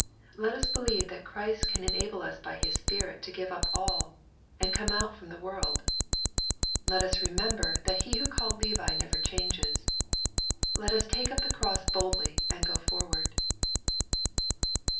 Let us believe that Christ can enable us by His Spirit to give up all, and 148 EXPOSITORY THOUGHTS. come out from the world. Let us remember that He who called Levi never changes. Let us take up the cross boldly, and go forward.